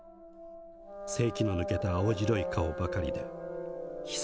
精気の抜けた青白い顔ばかりで悲惨